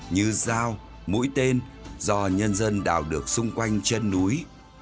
như dao mũi tên do nhân dân đào được xung quanh chân núi